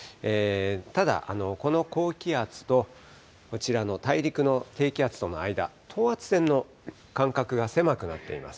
ただ、この高気圧とこちらの大陸の低気圧との間、等圧線の間隔が狭くなっています。